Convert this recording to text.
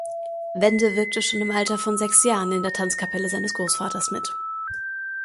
Wende wirkte schon im Alter von sechs Jahren in der Tanzkapelle seines Großvaters mit.